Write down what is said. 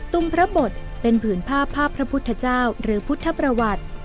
มพระบทเป็นผืนภาพภาพพระพุทธเจ้าหรือพุทธประวัติ